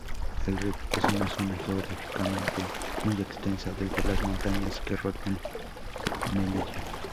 El Rif es una zona geográficamente muy extensa, desde las montañas que rodean Melilla.